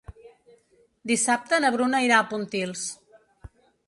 Dissabte na Bruna irà a Pontils.